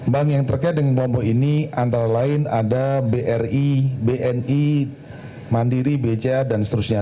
bank yang terkait dengan lombok ini antara lain ada bri bni mandiri bca dan seterusnya